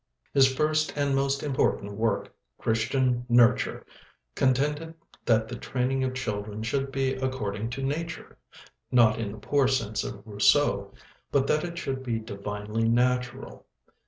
His first and most important work, 'Christian Nurture,' contended that the training of children should be according to nature, not in the poor sense of Rousseau, but that it should be divinely natural.